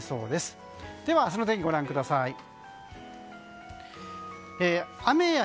では、明日の天気ご覧ください。